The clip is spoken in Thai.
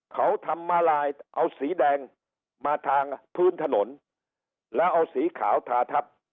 เขาทำมาลายเอาสีแดงมาทางพื้นถนนแล้วเอาสีขาวทาทับ